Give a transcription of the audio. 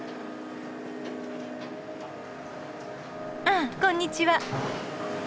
あこんにちは。